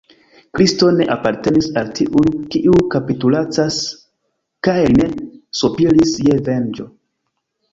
Kristo ne apartenis al tiuj, kiuj kapitulacas, kaj li ne sopiris je venĝo.